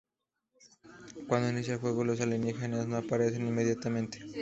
Cuando inicia el juego, los alienígenas no aparecen inmediatamente.